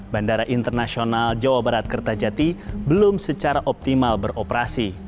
bandara internasional jawa barat kertajati belum secara optimal beroperasi